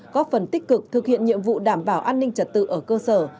có phần tích cực thực hiện nhiệm vụ đảm bảo an ninh trật tự ở cơ sở